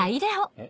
え？